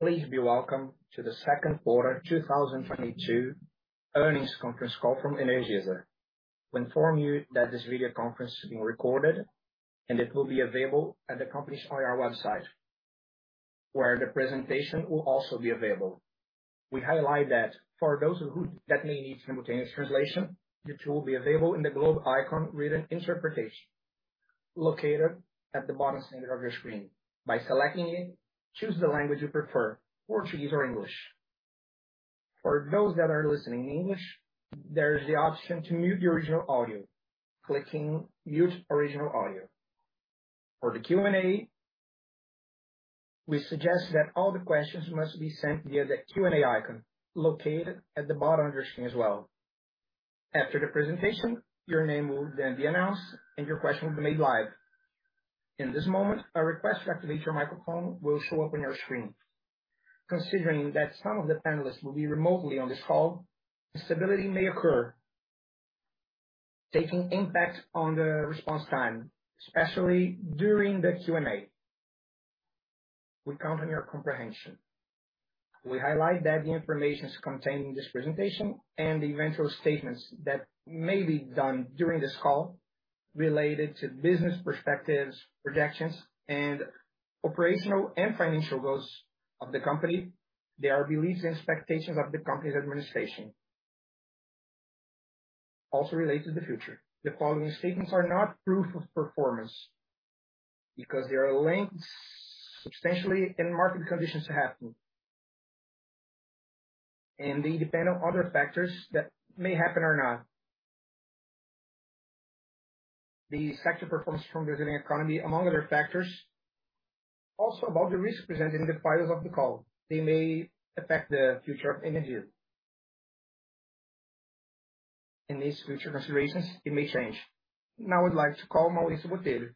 Please be welcome to the second quarter 2022 earnings conference call from Energisa. We inform you that this video conference is being recorded and it will be available at the company's IR website, where the presentation will also be available. We highlight that for those who may need simultaneous translation, the tool will be available in the globe icon written interpretation located at the bottom center of your screen. By selecting it, choose the language you prefer, Portuguese or English. For those that are listening in English, there is the option to mute the original audio, clicking Mute Original Audio. For the Q&A, we suggest that all the questions must be sent via the Q&A icon located at the bottom of your screen as well. After the presentation, your name will then be announced and your question will be made live. In this moment, a request to activate your microphone will show up on your screen. Considering that some of the panelists will be remotely on this call, instability may occur, taking impact on the response time, especially during the Q&A. We count on your comprehension. We highlight that the information is contained in this presentation and the eventual statements that may be done during this call related to business perspectives, projections, and operational and financial goals of the company, they are beliefs and expectations of the company's administration, also relate to the future. The following statements are not proof of performance because they are linked substantially and market conditions happen. They depend on other factors that may happen or not. The sector performance from Brazilian economy, among other factors, also about the risk presented in the files of the call. They may affect the future of Energisa.In these future considerations, it may change. Now I'd like to call Maurício Botelho,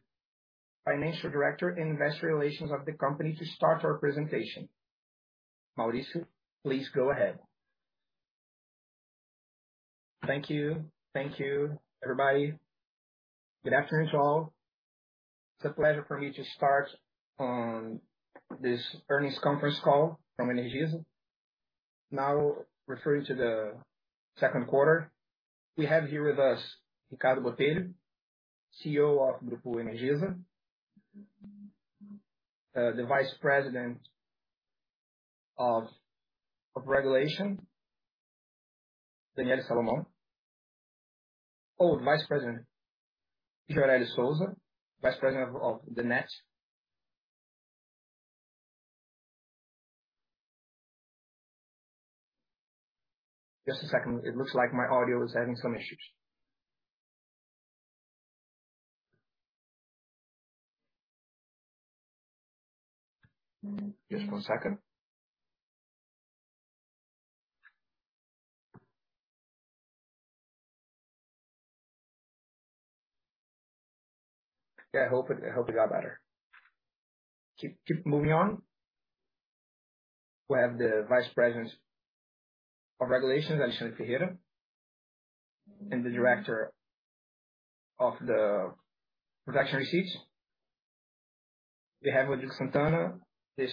financial director and investor relations of the company to start our presentation. Maurício, please go ahead. Thank you. Thank you, everybody. Good afternoon to all. It's a pleasure for me to start on this earnings conference call from Energisa. Now, referring to the second quarter, we have here with us Ricardo Botelho, CEO of Grupo Energisa, the Vice President of Regulation, Daniele Salomão. Vice President Miguel Angelo Souza, Vice President of Networks. Just a second. It looks like my audio is having some issues. Just one second. Yeah, I hope it got better. Keep moving on. We have the Vice President of Regulations, Alexandre Ferreira, and the Director of Regulatory Affairs. We have Rodrigo Santana, the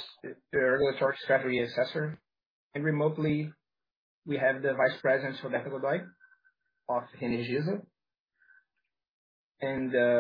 Regulatory Strategy Director.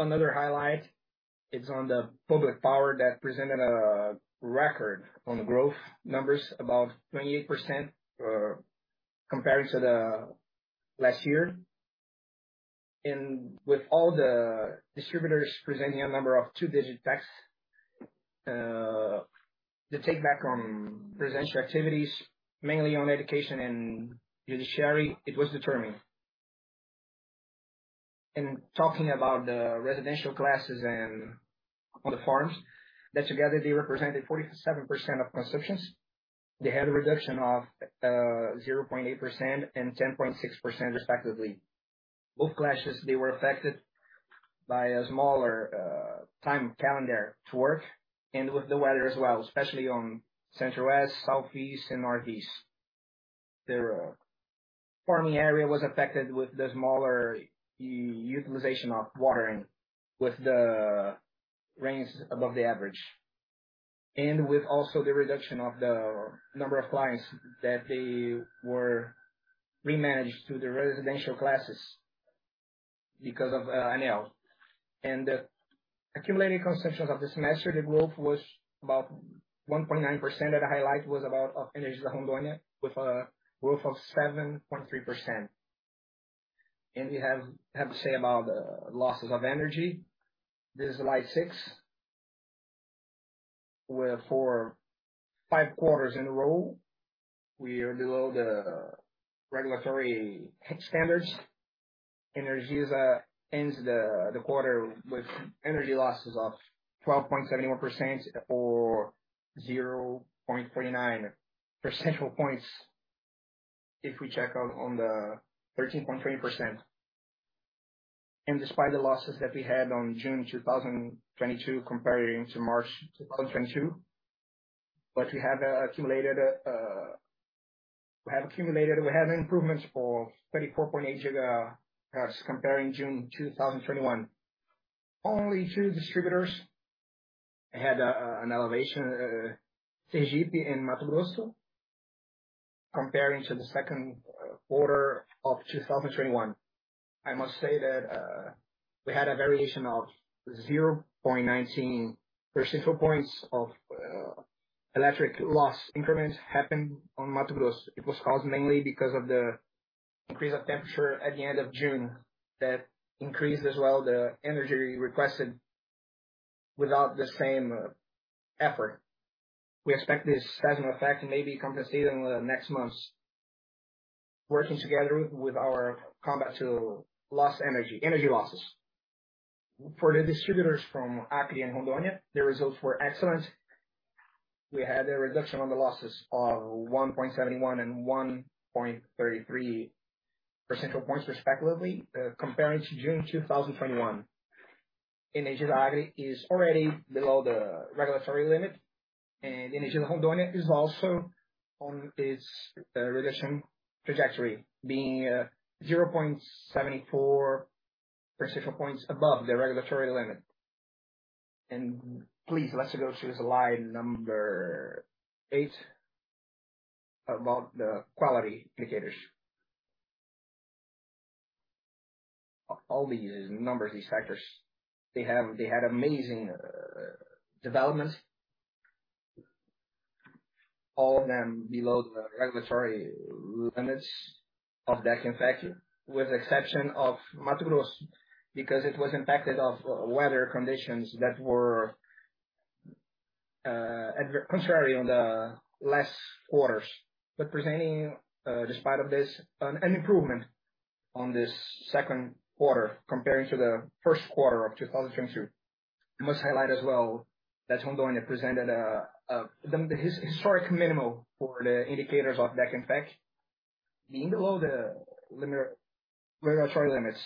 Another highlight is on the public power that presented a record on growth numbers, about 28%, compared to the last year. With all the distributors presenting a two-digit growth, the takeaway on residential activities, mainly on education and judiciary, it was determined. Talking about the residential classes and on the farms, that together they represented 47% of consumptions. They had a reduction of 0.8% and 10.6% respectively. Both classes, they were affected by a smaller time calendar to work and with the weather as well, especially on Central West, Southeast and Northeast. Their farming area was affected with the smaller utilization of watering with the rains above the average, and with also the reduction of the number of clients that they were reclassified to the residential classes because of ANEEL. Accumulated consumption of this semester, the growth was about 1.9%, with the highlight being Energisa Rondônia, with a growth of 7.3%. We have to say about losses of energy. This is slide six, where for five quarters in a row, we are below the regulatory standards. Energisa ends the quarter with energy losses of 12.71% or 0.49 percentage points if we check out on the 13.20%. Despite the losses that we had on June 2022 comparing to March 2022, but we have improvements for 24.8 gigas comparing June 2021. Only two distributors had an elevation, Sergipe and Mato Grosso, comparing to the second quarter of 2021. I must say that we had a variation of 0.19 percentage points of electric loss increments happened on Mato Grosso. It was caused mainly because of the increase of temperature at the end of June. That increased as well the energy requested without the same effort. We expect this seasonal effect may be compensated in the next months, working together with our combat to energy losses. For the distributors from Acre and Rondônia, the results were excellent. We had a reduction on the losses of 1.71 and 1.33 percentage points respectively, comparing to June 2021. Energisa Acre is already below the regulatory limit, and Energisa Rondônia is also on this reduction trajectory, being 0.74 percentage points above the regulatory limit. Please let's go to slide 8 about the quality indicators. All these numbers, these factors, they had amazing developments. All of them below the regulatory limits of DEC/FEC, with exception of Mato Grosso, because it was impacted of weather conditions that were contrary on the last quarters. Presenting, despite of this, an improvement on this second quarter comparing to the first quarter of 2022. I must highlight as well that Rondônia presented the historic minimum for the indicators of DEC/FEC, being below the regulatory limits,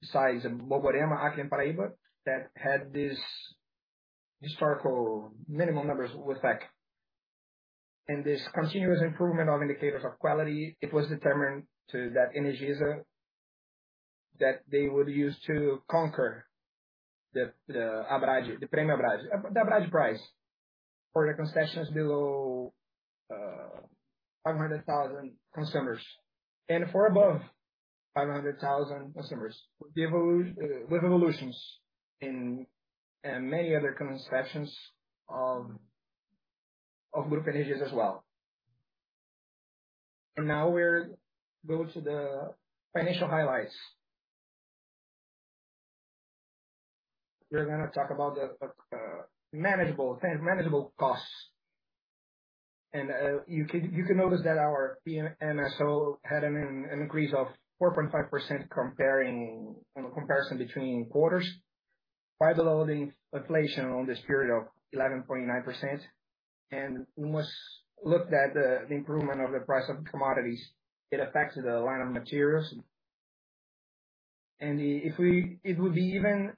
besides Borborema, Acre and Paraíba, that had these historical minimum numbers with effect. This continuous improvement of indicators of quality, it was determined to that Energisa, that they would use to conquer the ABRADEE, the Prêmio ABRADEE prize for the concessions below 500,000 consumers and for above 500,000 consumers. With evolutions in many other concessions of Grupo Energisa as well. Now we're going to the financial highlights. We're gonna talk about the manageable costs. You can notice that our PMSO had an increase of 4.5% comparing, on a comparison between quarters, far below the inflation on this period of 11.9%. We must look at the improvement of the price of commodities. It affected the line of materials. It would be even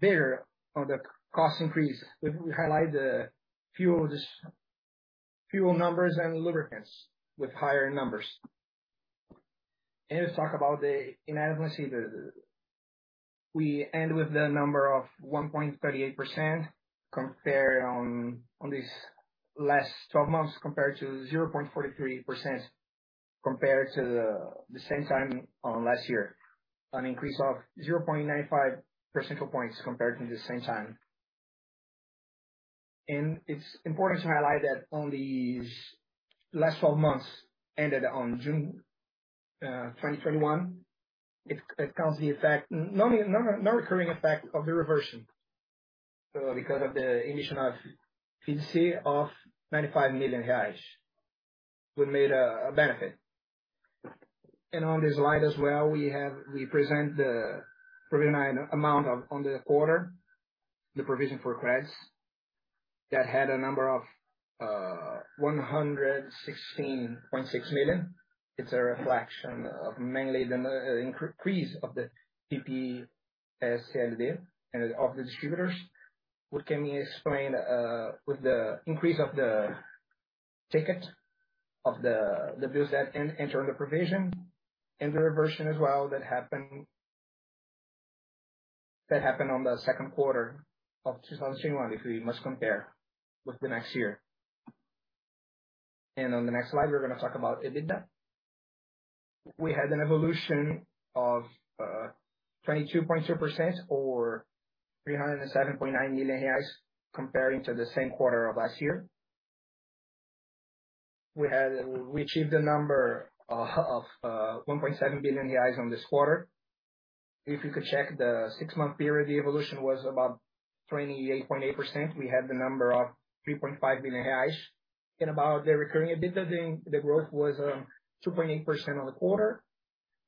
bigger on the cost increase. We highlight the fuel numbers and lubricants with higher numbers. Let's talk about the inadimplência. We end with the number of 1.38% compared on these last twelve months, compared to 0.43%, compared to the same time last year. An increase of 0.95 percentage points compared to the same time. It's important to highlight that in these last twelve months, ended on June 2021, it counts the effect of the non-recurring effect of the reversion. Because of the initial PCLD of BRL 95 million, we made a benefit. On this slide as well, we present the provision amount on the quarter, the provision for credits, that had a number of 116.6 million. It's a reflection of mainly the increase of the PPSC deal and of the distributors. What can we explain with the increase of the ticket of the bills that enter the provision and the reversion as well, that happened on the second quarter of 2021, if we just compare with the next year. On the next slide, we're gonna talk about EBITDA. We had an evolution of 22.2% or 307.9 million reais comparing to the same quarter of last year. We achieved a number of 1.7 billion reais on this quarter. If you could check the six-month period, the evolution was about 28.8%. We had the number of 3.5 billion reais. About the recurring EBITDA, the growth was 2.8% on the quarter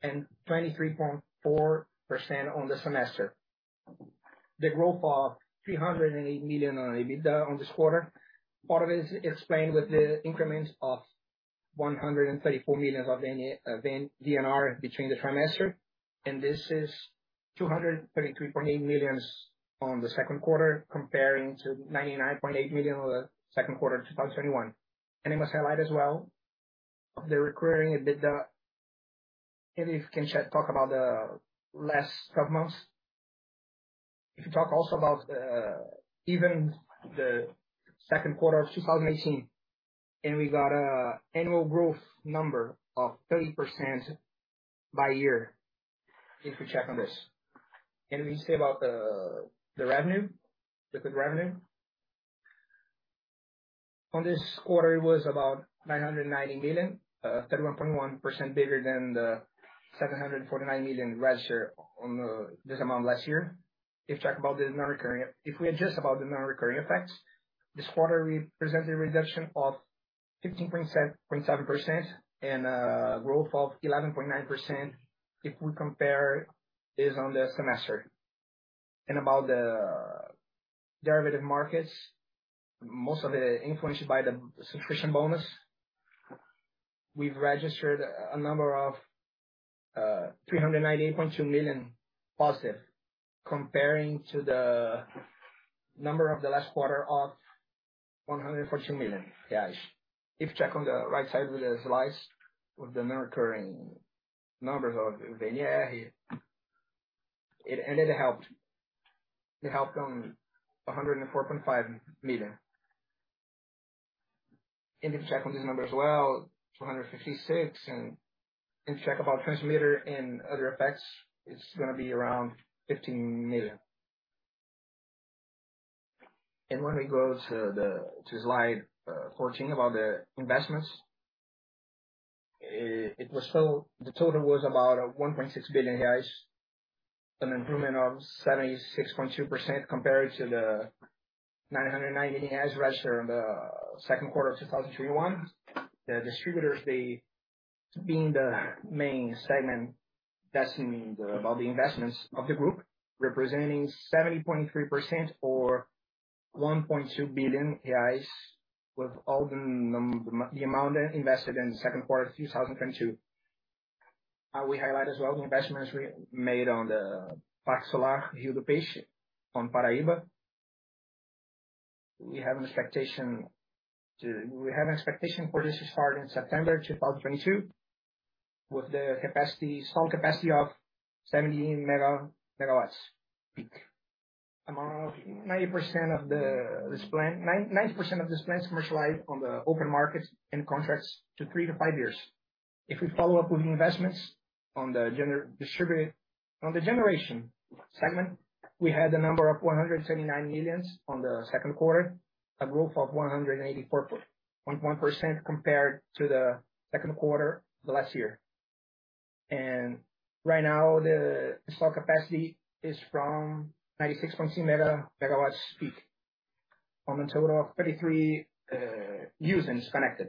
and 23.4% on the semester. The growth of 308 million on EBITDA this quarter, part of it is explained with the increments of 134 million of the VNR between the trimester, and this is 233.8 million on the second quarter comparing to 99.8 million on the second quarter of 2021. I must highlight as well the recurring EBITDA and talk about the last twelve months. If you talk also about the even the second quarter of 2018, we got an annual growth number of 30% by year, if you check this. We say about the revenue, liquid revenue. In this quarter, it was about 990 million, 31.1% bigger than the 749 million registered on this amount last year. If we adjust about the non-recurring effects, this quarter represent a reduction of 15.7% and growth of 11.9%, if we compare this on the semester. About the derivative markets, most of it influenced by the sufficiency bonus. We've registered a number of 398.2 million positive compared to the number of the last quarter of 114 million. If you check on the right side of the slide with the non-recurring numbers of VNR, it ended. It helped on 104.5 million. If you check on this number as well, 256, and check about transmission and other effects, it's gonna be around 15 million. When we go to slide 14 about the investments, the total was about 1.6 billion reais, an improvement of 76.2% compared to the 990 reais registered in the second quarter of 2021. The distributors, they being the main segment that's about the investments of the group, representing 70.3% or 1.2 billion reais, with all the amount invested in the second quarter of 2022. We highlight as well the investments we made on the Parque Solar Rio do Peixe on Paraíba. We have an expectation for this to start in September 2022, with a small capacity of 17 megawatts peak. Ninety percent of this plan is commercialized on the open market in contracts to 3-5 years. If we follow up with the investments on the generation segment, we had a number of 179 million on the second quarter, a growth of 184.1% compared to the second quarter of last year. Right now the installed capacity is from 96.2 megawatts peak on a total of 33 users connected.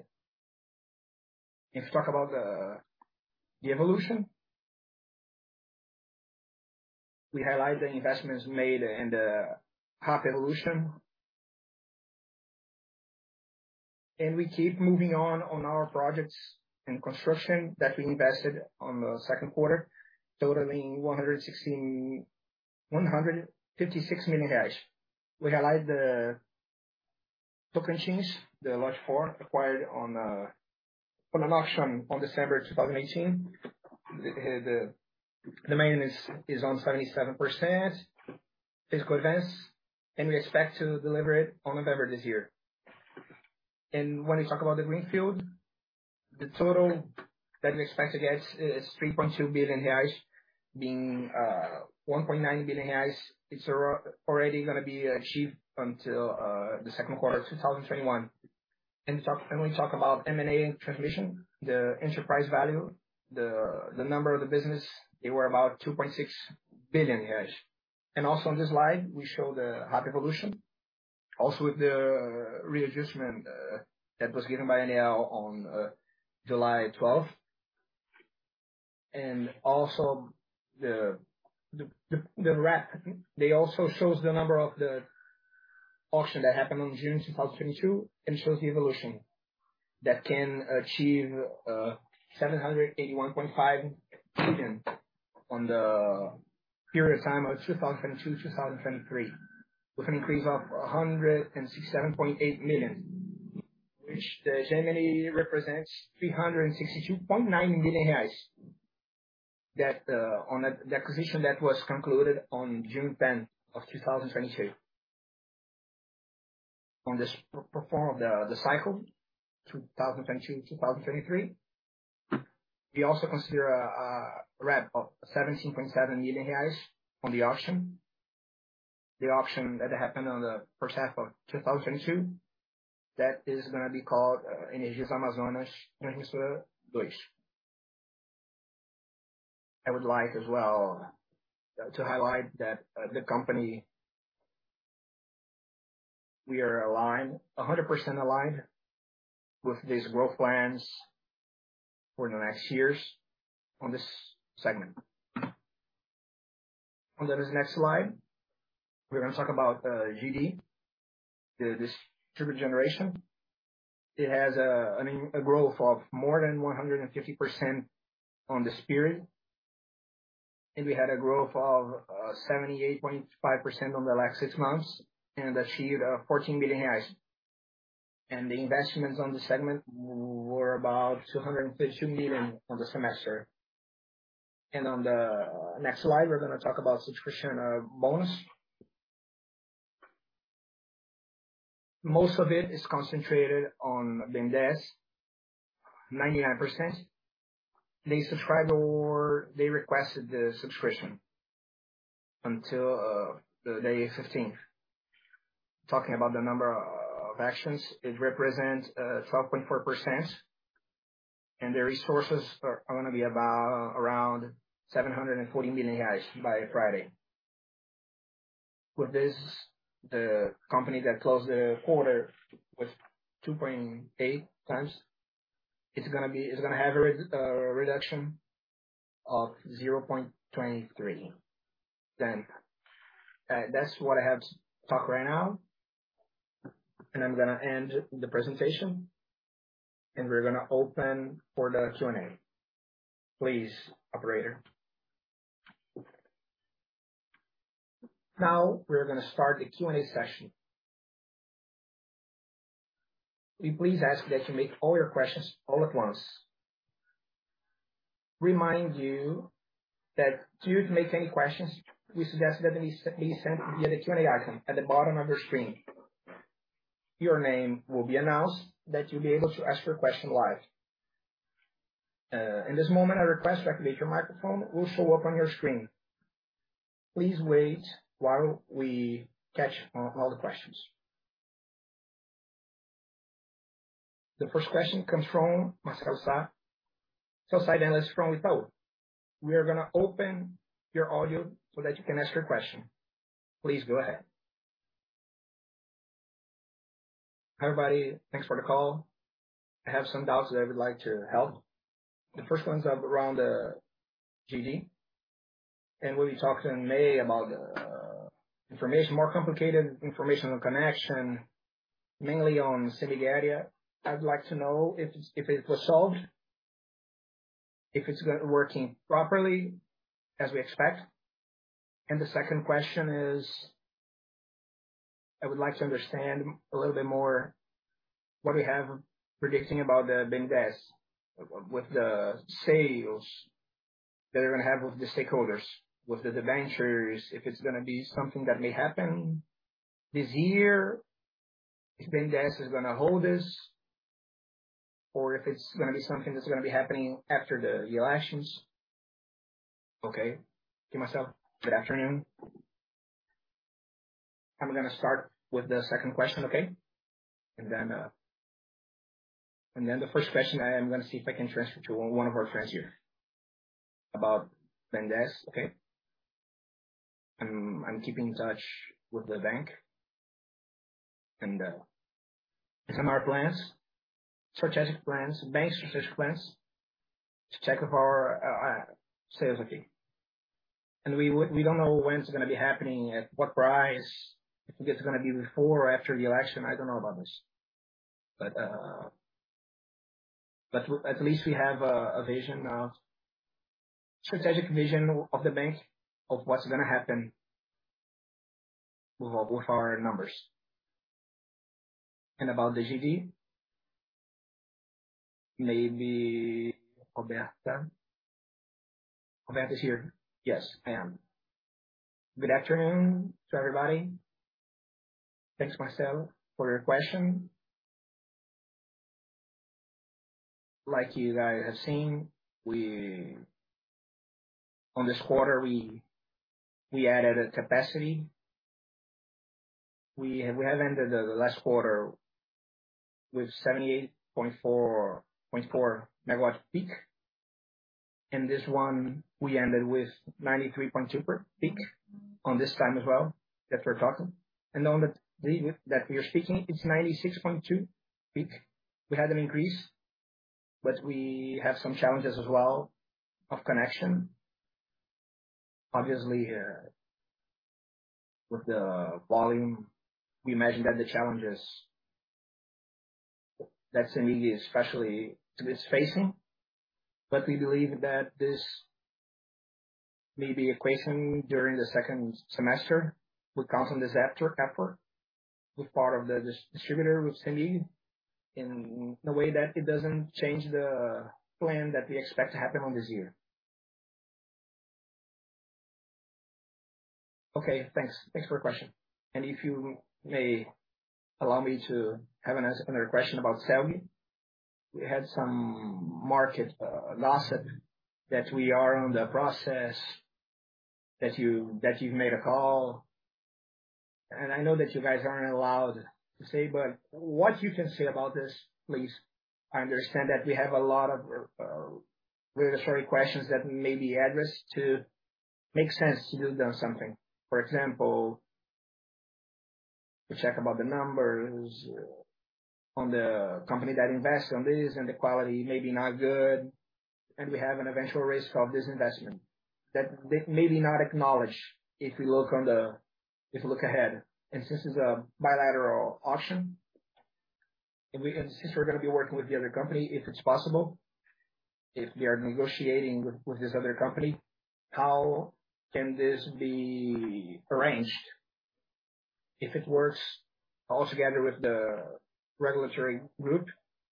If you talk about the evolution, we highlight the investments made in the half evolution. We keep moving on our projects and construction that we invested in the second quarter, totaling 156 million. We highlight the Tocantins line, the Lote 4 acquired in an auction in December 2018. The line is at 77% physical advance, and we expect to deliver it in November this year. When we talk about the greenfield, the total that we expect to get is 3.2 billion reais. Being 1.9 billion reais, it's already gonna be achieved until the second quarter 2021. We talk about M&A transmission, the enterprise value, the number of the business, they were about 2.6 billion. Also on this slide, we show the hub evolution, also with the readjustment that was given by ANEEL on July 12. The RAP it also shows the number of the auction that happened on June 2022, and shows the evolution that can achieve 781.5 million on the period of time of 2022 to 2023, with an increase of 167.8 million. Which the Gemini represents 362.9 million. That on the acquisition that was concluded on June 10 of 2022. On this performance of the cycle, 2022, 2023. We also consider a RAP of 17.7 million reais on the auction. The auction that happened on the first half of 2022, that is gonna be called Energisa Amazonas II. I would like as well to highlight that, the company. We are aligned, 100% aligned with these growth plans for the next years on this segment. On this next slide, we're gonna talk about GD, the distributed generation. It has, I mean, a growth of more than 150% on this period. We had a growth of 78.5% on the last six months and achieved 14 billion reais. The investments on this segment were about 252 million on the semester. On the next slide, we're gonna talk about subscription bonds. Most of it is concentrated on BNDES, 99%. They subscribed or they requested the subscription until the 15th. Talking about the number of actions, it represents 12.4%, and the resources are gonna be about around 740 million by Friday. With this, the company that closed the quarter with 2.8 times, it's gonna have a reduction of 0.23. That's what I have to talk right now, and I'm gonna end the presentation, and we're gonna open for the Q&A. Please, operator. Now we're gonna start the Q&A session. We please ask that you make all your questions all at once. Remind you that to make any questions, we suggest that they be sent via the Q&A icon at the bottom of your screen. Your name will be announced that you'll be able to ask your question live. In this moment, a request to activate your microphone will show up on your screen. Please wait while we catch all the questions. The first question comes from Marcelo Sa, sell-side analyst from Itaú BBA. We are gonna open your audio so that you can ask your question. Please go ahead. Hi, everybody. Thanks for the call. I have some doubts that I would like to help. The first one's around the GD, and we talked in May about a more complicated interconnection, mainly on Cemig area. I'd like to know if it was solved, if it's working properly as we expect. The second question is, I would like to understand a little bit more what we're predicting about the BNDES, with the sales that you're gonna have with the stakeholders, with the debentures, if it's gonna be something that may happen this year, if BNDES is gonna hold this or if it's gonna be something that's gonna be happening after the elections. Okay. Thank you, Marcelo. Good afternoon. I'm gonna start with the second question, okay? Then the first question, I am gonna see if I can transfer to one of our friends here. About BNDES, okay. I'm keeping in touch with the bank and some of our plans, strategic plans, bank strategic plans to check with our sales, okay. We don't know when it's gonna be happening, at what price. If it's gonna be before or after the election, I don't know about this. At least we have a vision, strategic vision of the bank of what's gonna happen with our numbers. About the GD. Maybe Roberta. Roberta is here. Yes, I am. Good afternoon to everybody. Thanks, Marcelo Sa, for your question. Like you guys have seen, we on this quarter added a capacity. We have ended the last quarter with 78.4 megawatts peak. This one we ended with 93.2 peak on this time as well, that we're talking. On the week that we are speaking, it's 96.2 peak. We had an increase, but we have some challenges as well of connection. Obviously, with the volume we imagine that the challenges that CDE especially is facing. We believe that this may be equalization during the second semester. We count on this effort with the distributors with CDE, in a way that it doesn't change the plan that we expect to happen in this year. Okay. Thanks for your question. If you may allow me to have another question about CELG-D. We had some market gossip that we are in the process that you've made a call. I know that you guys aren't allowed to say, but what you can say about this, please. I understand that we have a lot of regulatory questions that may be addressed to make sense to do something. For example, to check about the numbers on the company that invests on this and the quality may be not good, and we have an eventual risk of disinvestment that they may be not acknowledge if you look ahead. Since it's a bilateral auction, since we're gonna be working with the other company, if it's possible, if we are negotiating with this other company, how can this be arranged? If it works all together with the regulatory group,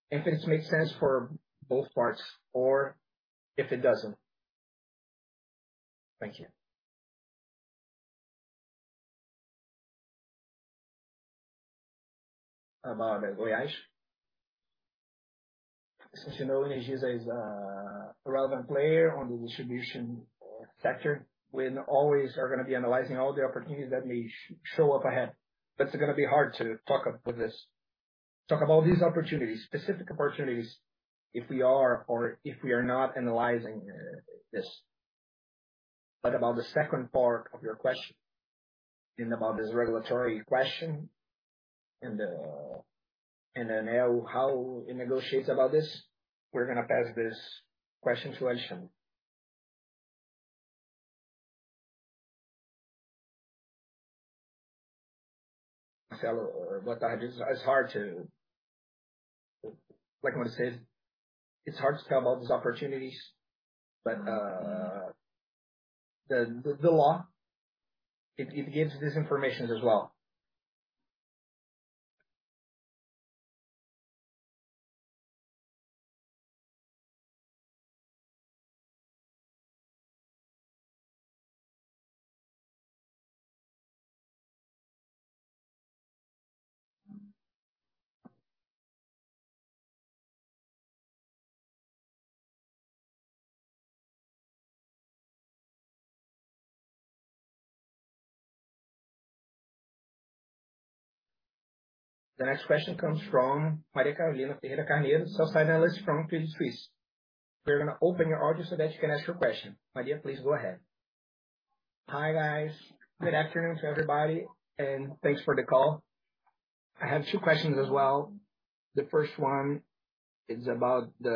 if this makes sense for both parts or if it doesn't. Thank you. About Goiás. As you know, ENGIE is a relevant player on the distribution sector. We always are gonna be analyzing all the opportunities that may show up ahead, but it's gonna be hard to talk about this. Talk about these opportunities, specific opportunities if we are or are not analyzing this. About the second part of your question and about this regulatory question and then how it negotiates about this, we're gonna pass this question to Alexandre. Like Mario said, it's hard to tell about these opportunities. The law, it gives this information as well. The next question comes from Carolina Carneiro, Sell-Side Analyst from Credit Suisse. We're gonna open your audio so that you can ask your question. Carolina, please go ahead. Hi, guys. Good afternoon to everybody, and thanks for the call. I have two questions as well. The first one is about the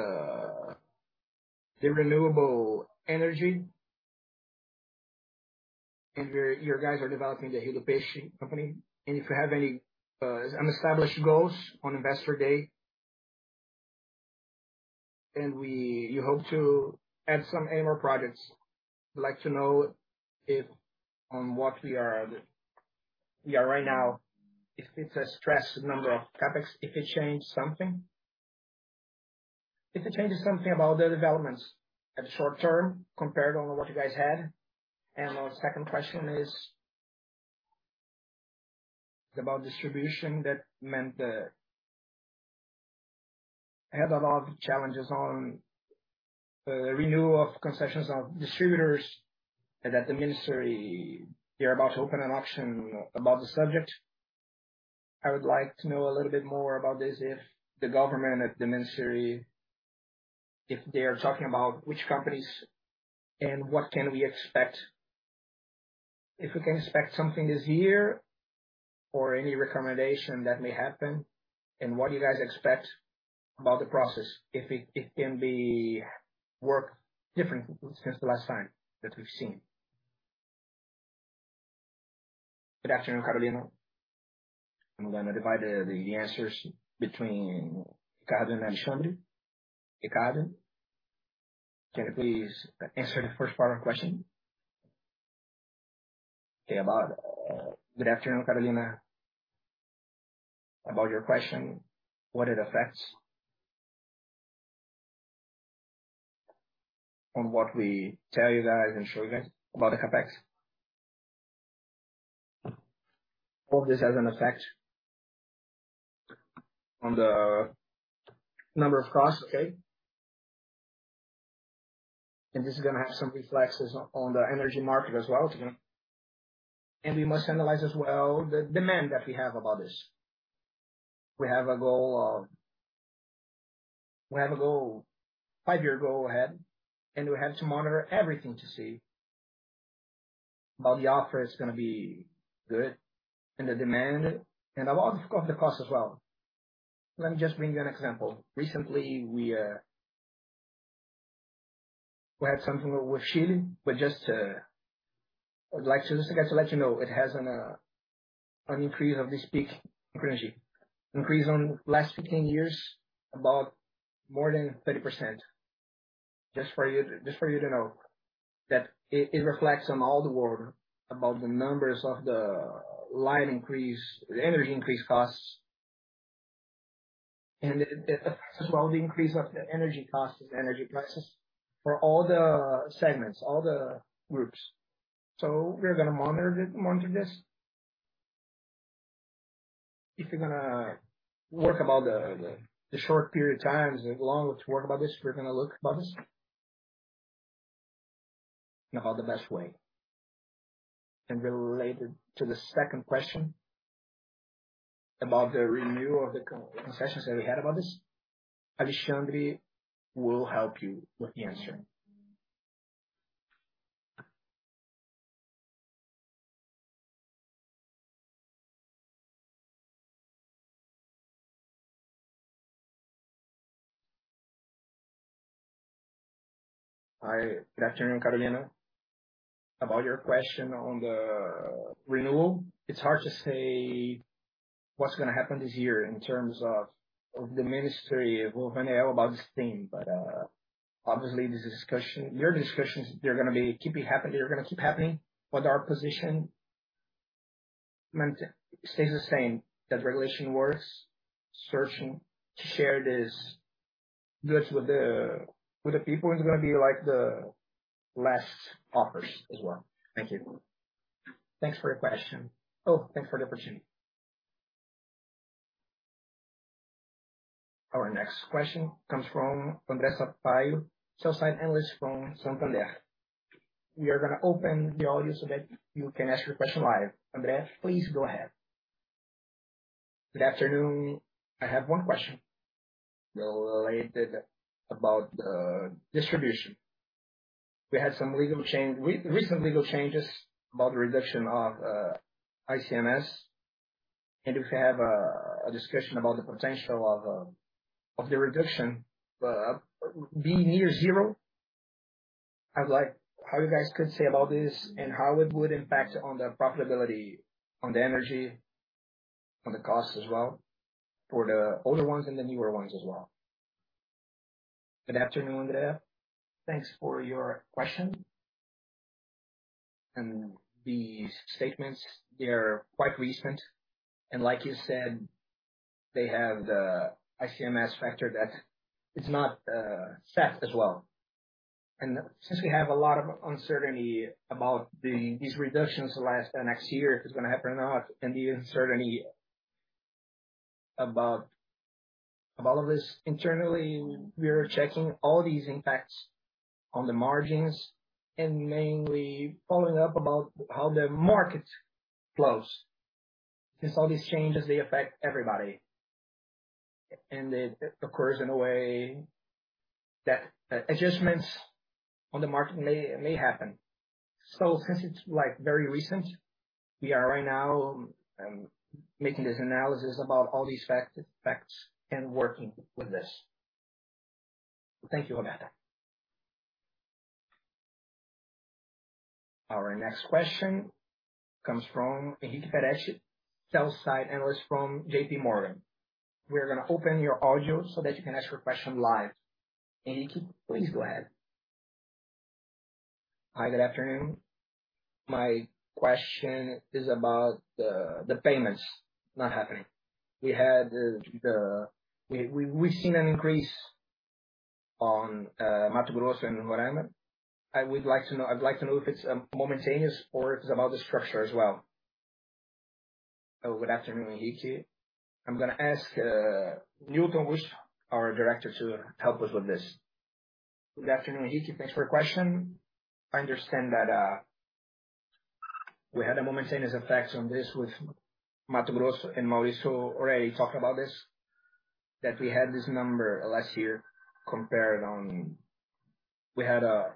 renewable energy. You guys are developing the Alsol company, and if you have any established goals on Investor Day. You hope to add some AMR projects. I'd like to know, on what we are right now, if it's a stretched number of CapEx, if it changed something. If it changes something about the developments in the short term compared to what you guys had. My second question is about the distribution segment that had a lot of challenges on renewal of concessions of distributors, and that the ministry is about to open an auction about the subject. I would like to know a little bit more about this, if the government and the ministry is talking about which companies and what we can expect. If we can expect something this year or any auction that may happen, and what you guys expect about the process, if it can be worked differently since the last time that we've seen. Good afternoon, Carolina. I'm gonna divide the answers between Ricardo and Alexandre. Ricardo, can you please answer the first part of the question? Okay, about Good afternoon, Carolina. About your question, what it affects on what we tell you guys and show you guys about the CapEx. This has an effect on the number of costs, okay? This is gonna have some reflexes on the energy market as well. We must analyze as well the demand that we have about this. We have a goal, five-year goal ahead, and we have to monitor everything to see about the offer is gonna be good and the demand, and a lot of cost, the cost as well. Let me just bring you an example. Recently, we had something with Chile, but I would like to let you know, it has an increase of this peak energy. Increase on last 15 years, about more than 30%. Just for you to know. That it reflects on all the world about the numbers of the line increase, the energy increase costs. It affects as well the increase of the energy costs and energy prices for all the segments, all the groups. We're gonna monitor this. If we're gonna work about the short period of times and long to work about this, we're gonna look about this and about the best way. Related to the second question about the renewal of the concessions that we had about this, Alexandre will help you with the answer. Hi. Good afternoon, Carolina. About your question on the renewal, it's hard to say what's gonna happen this year in terms of the Ministry of Mines and Energy about this thing. Obviously this discussion, your discussions, they're gonna be keeping happening, they're gonna keep happening. Our position remains the same, that regulation works, serving to share these benefits with the people is gonna be like the last offers as well. Thank you. Thanks for your question. Thanks for the opportunity. Our next question comes from André Sampaio, Sell-Side Analyst from Santander. We are gonna open the audio so that you can ask your question live. André, please go ahead. Good afternoon. I have one question related to the distribution. We had some legal change, recent legal changes about the reduction of ICMS. If we have a discussion about the potential of the reduction to be near zero. I would like how you guys could say about this and how it would impact on the profitability on the energy, on the cost as well, for the older ones and the newer ones as well. Good afternoon, André. Thanks for your question. The statements, they're quite recent, and like you said, they have the ICMS factor that is not set as well. Since we have a lot of uncertainty about these reductions next year, if it's gonna happen or not, and the uncertainty about all of this, internally we are checking all these impacts on the margins, and mainly following up about how the market flows. All these changes affect everybody. It occurs in a way that adjustments on the market may happen. Since it's like very recent, we are right now making this analysis about all these facts and working with this. Thank you, André. Our next question comes from Henrique Peretti, sell-side analyst from JP Morgan. We are gonna open your audio so that you can ask your question live. Henrique, please go ahead. Hi, good afternoon. My question is about the payments not happening. We've seen an increase on Mato Grosso and Roraima. I'd like to know if it's momentary or if it's about the structure as well. Good afternoon, Henrique. I'm gonna ask Newton Busch, our director, to help us with this. Good afternoon, Henrique. Thanks for your question. I understand that we had a momentous effect on this with Mato Grosso, and Maurício already talked about this, that we had this number last year compared on. We had a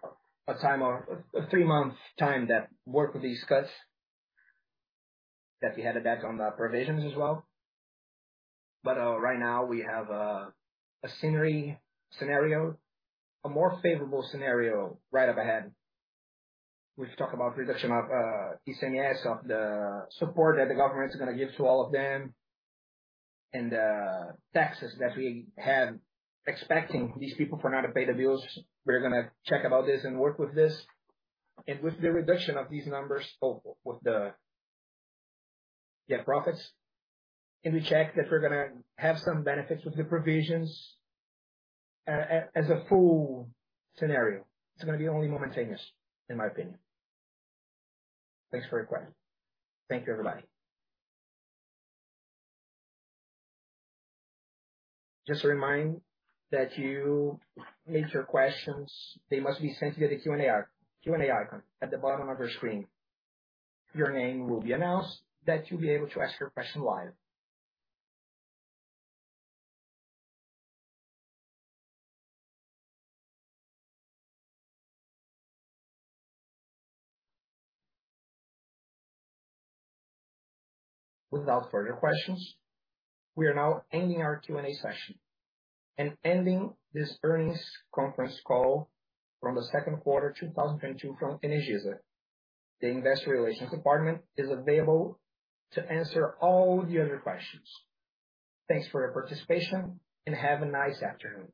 three-month time that worked with these cuts that we had it back on the provisions as well. Right now we have a more favorable scenario right up ahead. We've talked about reduction of ICMS, of the support that the government's gonna give to all of them, and taxes that we have expecting these people for now to pay the bills. We're gonna check about this and work with this. With the reduction of these numbers, of with the profits, and we expect that we're gonna have some benefits with the provisions as a full scenario. It's gonna be only momentary, in my opinion. Thanks for your question. Thank you, everybody. Just a reminder that to make your questions, they must be sent via the Q&A icon at the bottom of your screen. Your name will be announced so that you'll be able to ask your question live. Without further questions, we are now ending our Q&A session and ending this earnings conference call for the second quarter 2022 from Energisa. The investor relations department is available to answer all the other questions. Thanks for your participation, and have a nice afternoon.